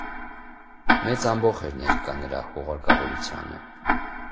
Մեծ ամբոխ էր ներկա նրա հուղարկավորությանը։